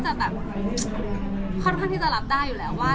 แต่ว่ามินก็ค่อนข้างที่จะรับได้อยู่แล้วว่า